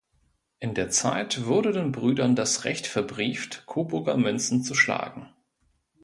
In der Zeit wurde den Brüdern das Recht verbrieft, Coburger Münzen zu schlagen.